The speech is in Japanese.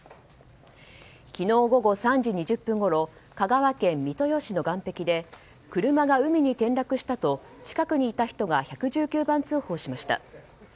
昨日午後３時２０分ごろ香川県三豊市の岸壁で車が海に転落したと近くにいた人が１１９番通報しました。